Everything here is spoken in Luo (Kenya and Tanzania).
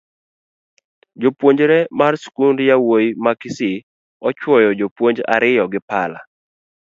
Japuonjre mar skund yawuoyi ma kisii ochuyo jopuonj ariyo gi pala